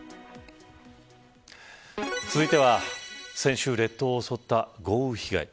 続いては、先週列島を襲った豪雨被害。